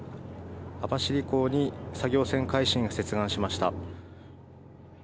網走港に作業船、海進が接岸しました。